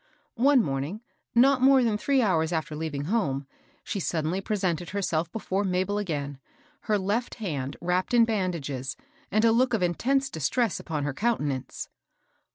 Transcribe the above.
One morning, not more than three hours after leaving home, she suddenly presented herself • before Mabel again, her left hand wrapped in bandages, and a look of intense distress upon her countenance.